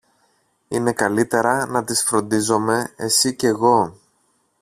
είναι καλύτερα να τις φροντίζομε εσυ κι εγώ